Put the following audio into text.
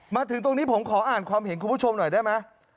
มาถึงตรงนี้ผมขออ่านความเห็นคุณผู้ชมหน่อยได้ไหม